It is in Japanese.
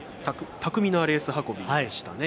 巧みなレース運びでしたね。